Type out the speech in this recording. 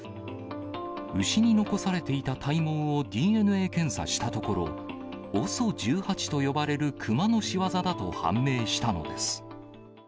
牛に残されていた体毛をＤＮＡ検査したところ、ＯＳＯ１８と呼ばれるクマの仕業だと判明したのです。